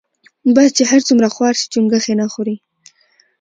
باز چی هر څومره خوار شی چونګښی نه خوري .